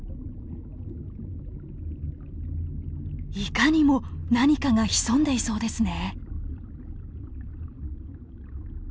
いかにも何かが潜んでいそうですね。